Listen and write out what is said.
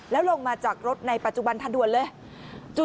แล้วลงมาจากรถในปัจจุบันทันด่วนเลย